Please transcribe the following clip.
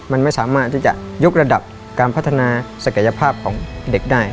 มันไม่สามารถที่จะยกระดับการพัฒนาศักยภาพของเด็กได้